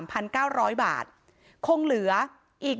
ตำรวจบอกว่าภายในสัปดาห์เนี้ยจะรู้ผลของเครื่องจับเท็จนะคะ